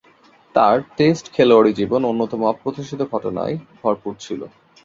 তার টেস্ট খেলোয়াড়ী জীবন অন্যতম অপ্রত্যাশিত ঘটনায় ভরপুর ছিল।